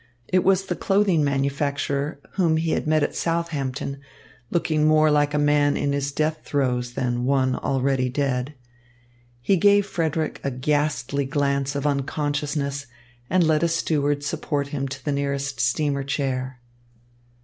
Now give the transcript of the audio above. It was the clothing manufacturer whom he had met at Southampton, looking more like a man in his death throes than one already dead. He gave Frederick a ghastly glance of unconsciousness and let a steward support him to the nearest steamer chair.